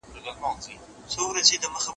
کېدای سي هغه له تاریخ لیکنې سره اشنا نه وي.